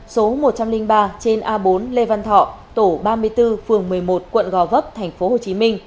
số một trăm linh ba trên a bốn lê văn thọ tổ ba mươi bốn phường một mươi một quận gò vấp tp hcm